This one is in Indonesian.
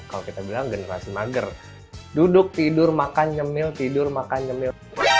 kalau kita bilang generasi mager duduk tidur makan nyemil tidur makan nyemil